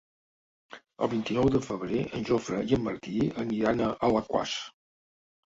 El vint-i-nou de febrer en Jofre i en Martí aniran a Alaquàs.